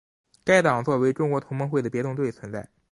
该党作为中国同盟会的别动队存在。